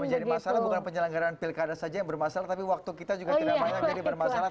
menjadi masalah bukan penyelenggaraan pilkada saja yang bermasalah tapi waktu kita juga tidak banyak jadi bermasalah